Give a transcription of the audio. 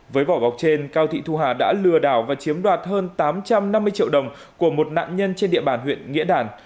với vỏ bọc trên cao thị thu hà đã lừa đảo và chiếm đoạt hơn tám trăm năm mươi triệu đồng của một nạn nhân trên địa bàn huyện nghĩa đàn